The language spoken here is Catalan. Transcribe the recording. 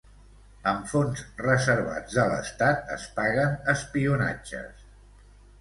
Amb fons reservats de l'Estat es van pagar espionatges.